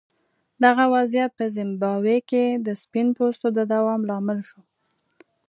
دغه وضعیت په زیمبابوې کې د سپین پوستو د دوام لامل شو.